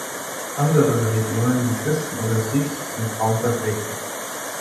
Andere Religionen wie Christen oder Sikhs sind kaum vertreten.